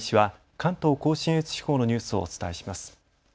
関東甲信越地方のニュースをお伝えします。